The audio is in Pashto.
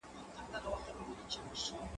که وخت وي لیکل کوم